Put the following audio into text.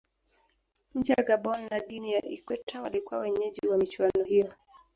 nchi ya gabon na guinea ya ikweta walikuwa wenyeji wa michuano hiyo